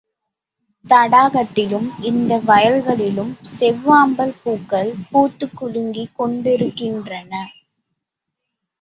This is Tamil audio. தடாகத்திலும், இந்த வயல்களிலும் செவ்வாம்பல் பூக்கள் பூத்துக் குலுங்கிக் கொண்டிருக்கின்றன.